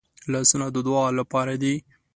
لاسونه د دعا لپاره دي